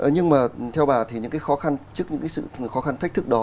nhưng mà theo bà những khó khăn trước những sự khó khăn thách thức đó